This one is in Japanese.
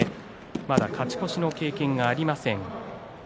まだ勝ち越しの経験がありません。